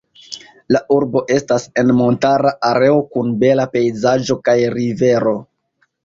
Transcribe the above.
La urbo estas en montara areo kun bela pejzaĝo kaj rivero.